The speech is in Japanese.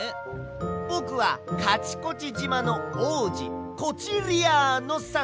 ぼくはカチコチじまのおうじコチリアーノ３せい！